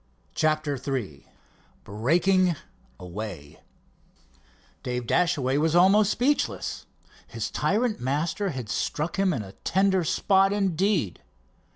CHAPTER III BREAKING AWAY Dave Dashaway was almost speechless. His tyrant master had struck him in a tender spot, indeed.